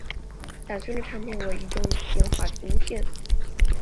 展讯的产品为移动电话芯片。